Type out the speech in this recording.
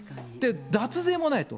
脱税もないと。